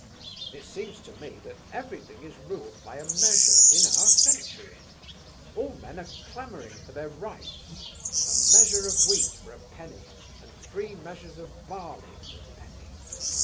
It seems to me that everything is ruled by measure in our century; all men are clamouring for their rights; 'a measure of wheat for a penny, and three measures of barley for a penny.